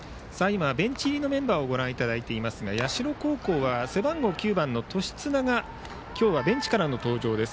ベンチ入りのメンバーをご覧いただいていますが社高校は背番号９番の年綱が今日はベンチからの登場です。